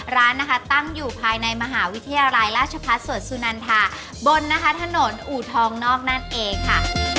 ร้านนะคะตั้งอยู่ภายในมหาวิทยาลัยราชพัฒน์สวนสุนันทาบนนะคะถนนอูทองนอกนั่นเองค่ะ